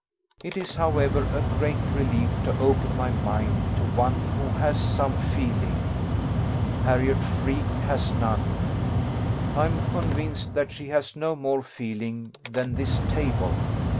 It is, however, a great relief to open my mind to one who has some feeling: Harriot Freke has none; I am convinced that she has no more feeling than this table.